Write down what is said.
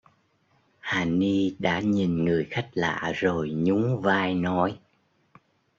Hà Ni đã nhìn người khách lạ rồi nhún vai nói